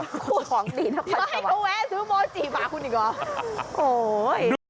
ของดีนะพันธวันอย่าให้เขาแวะซื้อโมจิมาคุณอีกหรอ